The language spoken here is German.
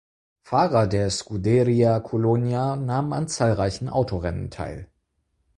Fahrer der Scuderia Colonia nahmen an zahlreichen Autorennen teil.